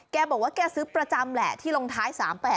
แกบอกว่าแกซื้อประจำแหละที่ลงท้าย๓๘